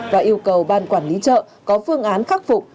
và yêu cầu ban quản lý chợ có phương án khắc phục